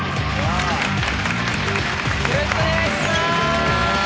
よろしくお願いします